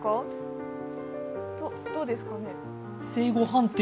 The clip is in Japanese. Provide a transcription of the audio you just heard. どうですかね？